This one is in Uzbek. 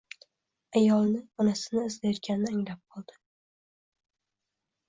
Ayolni – onasini izlayotganini anglab qoldi